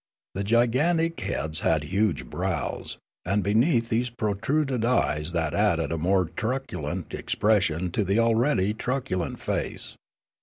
The gigantic heads had huge brows, and be neath these protruded eyes that added a more truculent expression to the already truculent face.